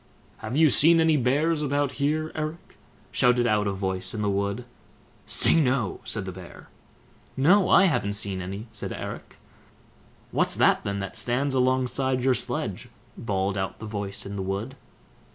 "Have you seen any bears about here, Eric?" shouted out a voice in the wood. "Say, no!" said the Bear. "No, I haven't seen any", said Eric. "What's that then, that stands alongside your sledge?" bawled out the voice in the wood.